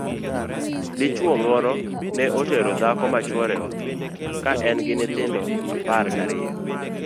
Dichwo moro ne otero dhako ma chwore otho ka en gi nyithindo apar gariyo.